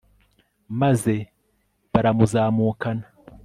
maze baramuzamukana